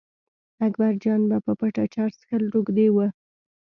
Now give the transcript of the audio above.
اکبرجان به په پټه چرس څښل روږدي و.